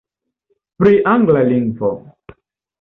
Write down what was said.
Pri angla lingvo.